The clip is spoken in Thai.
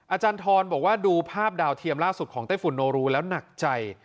อาจารย์ทรบอกว่าดูภาพดาวเทียมล่าสุดของไต้ฝุ่นโนรูแล้วหนักใจ